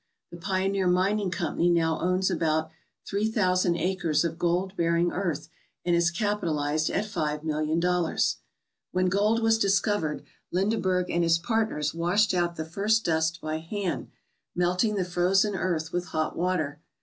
The Pioneer Mining Company now owns about three thousand acres of gold bearing earth and is capital ized at five million dollars. When gold was discovered, Lindeberg and his partners washed out the first dust by hand, melting the frozen 191 ALASKA OUR NORTHERN WONDERLAND earth with hot water.